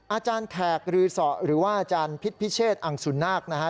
อาจารย์แขกรือสอหรือว่าอาจารย์พิษพิเชษอังสุนาคนะฮะ